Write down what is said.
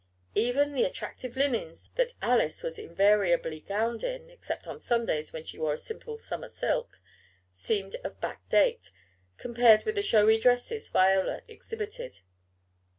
Even the attractive linens that Alice was invariably gowned in (except on Sundays, when she wore a simple summer silk), seemed of "back date" compared with the showy dresses Viola exhibited.